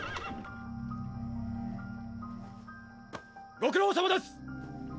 ご苦労さまです！